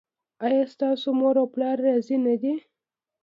ایا ستاسو مور او پلار راضي نه دي؟